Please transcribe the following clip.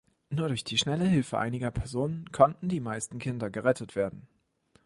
Nur durch die schnelle Hilfe einiger Personen konnten die meisten Kinder gerettet werden.